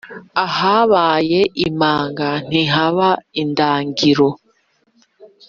Ahabaye imanga ntihaba indagiro